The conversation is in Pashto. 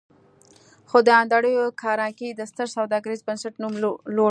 خو د انډريو کارنګي د ستر سوداګريز بنسټ نوم لوړ و.